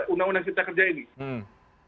undang undang cipta kerja ini